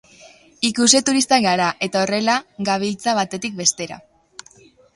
Ikusle turistak gara, eta horrela gabiltza, batetik bestera.